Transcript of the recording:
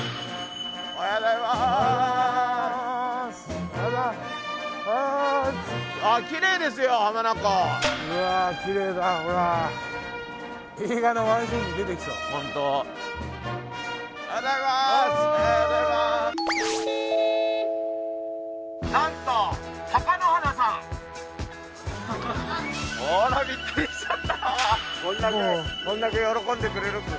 こんだけこんだけ喜んでくれる。